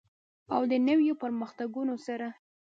او د نویو پرمختګونو سره.